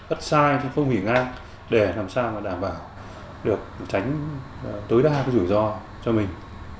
ất sai trong phong hủy nga để làm sao mà đảm bảo được tránh tối đa của rủi ro cho mình